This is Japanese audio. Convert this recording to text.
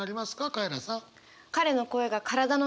カエラさん。